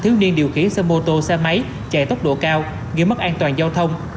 thiếu niên điều khiển xe mô tô xe máy chạy tốc độ cao nghiêm mất an toàn châu thông